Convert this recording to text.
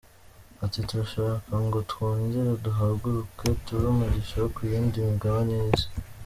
Ati “Turashaka ngo twongere duhaguruke, tube umugisha ku yindi migabane y’Isi.